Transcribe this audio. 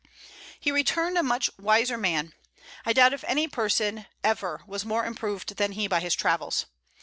He returned a much wiser man; I doubt if any person ever was more improved than he by his travels.